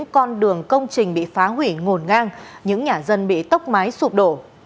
công trình bị phá hủy ngồn ngang những nhà dân bị tốc máy sụp đổ